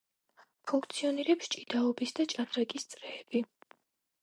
ფუნქციონირებს ჭიდაობის და ჭადრაკის წრეები.